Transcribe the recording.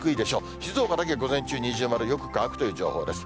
静岡だけ午前中二重丸、よく乾くという情報です。